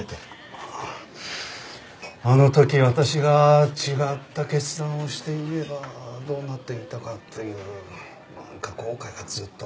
あの時私が違った決断をしていればどうなっていたかというなんか後悔がずっとあって。